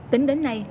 tính đến nay